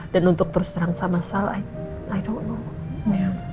dan untuk terus terang sama sal i don't know